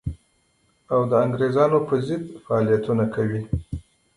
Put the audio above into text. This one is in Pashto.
او د انګرېزانو پر ضد فعالیتونه کوي.